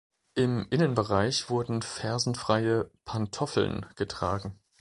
Im Innenbereich wurden fersenfreie „Pantoffeln“ getragen.